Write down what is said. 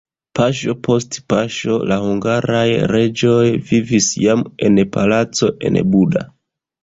Paŝo post paŝo la hungaraj reĝoj vivis jam en palaco en Buda.